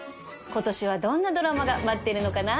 今年はどんなドラマが待ってるのかな